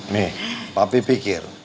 nih papi pikir